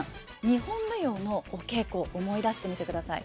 日本舞踊のお稽古思い出してみてください。